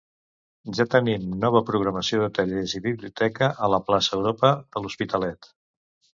Ja tenim nova programació de tallers i biblioteca a la Plaça Europa de l'Hospitalet.